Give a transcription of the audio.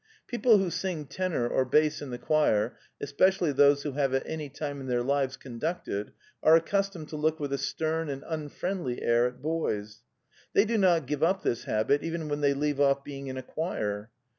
People who sing tenor or bass in the choir, es pecially those who have at any time in their lives conducted, are accustomed to look with a stern and unfriendly air at boys. They do not give up this habit, even when they leave off being in a choir.